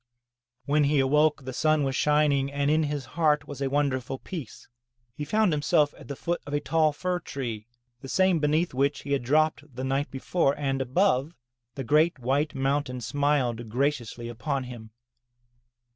When he awoke the sun was shining and in his heart was a wonderful peace. He found himself at the foot of a tall fir tree, the same beneath which he had dropped the night before, and, above, the great white mountain smiled graciously upon him.